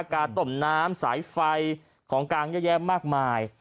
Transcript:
กาตมน้ำสายไฟของกลางเยอะแยะมากมาย